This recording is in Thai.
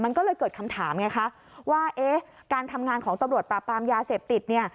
มันก็เลยเกิดคำถามไงคะว่าเอ๊ะการทำงานของตำรวจปราบปรามยาเสพติดเนี่ย